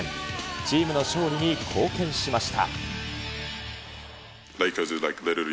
チームの勝利に貢献しました。